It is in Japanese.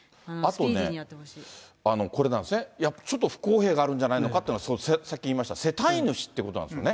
あとね、これなんですね、ちょっと不公平があるんじゃないかっていうこと、さっき言いました、世帯主っていうことなんですよね。